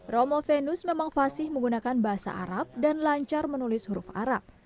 romo venus memang fasih menggunakan bahasa arab dan lancar menulis huruf arab